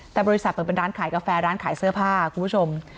แต่บริษัทเปิดเป็นร้านขายกาแฟร้านขายเสื้อผ้าคุณผู้ชม